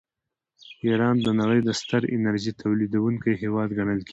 ایران د نړۍ د ستر انرژۍ تولیدونکي هېوادونه ګڼل کیږي.